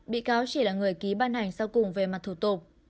bị cáo chỉ là người ký ban hành sau cùng về mặt thủ tục